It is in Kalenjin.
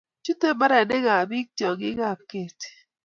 Chutei mbarenikab biik tyong'ikab kerti.